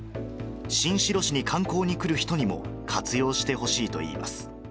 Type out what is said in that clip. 新城市に観光に来る人にも活用してほしいといいます。